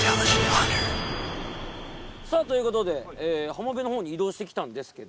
さあということではまべのほうにいどうしてきたんですけど。